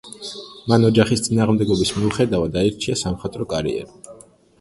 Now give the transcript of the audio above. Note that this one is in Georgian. მან ოჯახის წინააღმდეგობის მიუხედავად აირჩია სამხატვრო კარიერა.